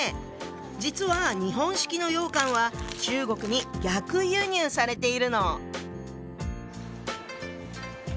実は日本式の羊羹は中国に逆輸入されているの。